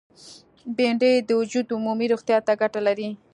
بېنډۍ د وجود عمومي روغتیا ته ګټه لري